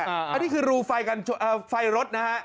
อันนี้คือรูไฟรถนะฮะ